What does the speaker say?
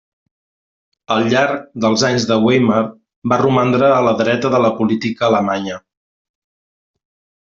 Al llarg dels anys de Weimar va romandre a la dreta de la política alemanya.